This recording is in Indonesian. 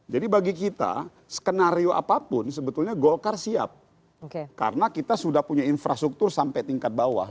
jadi bagi kita skenario apapun sebetulnya golkar siap karena kita sudah punya infrastruktur sampai tingkat bawah